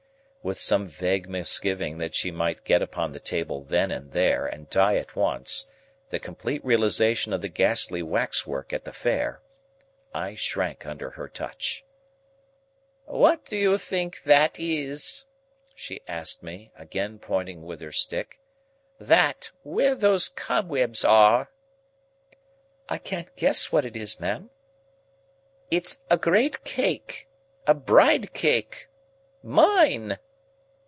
With some vague misgiving that she might get upon the table then and there and die at once, the complete realisation of the ghastly waxwork at the Fair, I shrank under her touch. "What do you think that is?" she asked me, again pointing with her stick; "that, where those cobwebs are?" "I can't guess what it is, ma'am." "It's a great cake. A bride cake. Mine!"